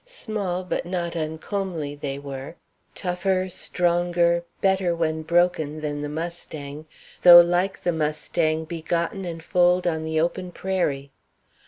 Small but not uncomely they were: tougher, stronger, better when broken, than the mustang, though, like the mustang, begotten and foaled on the open prairie.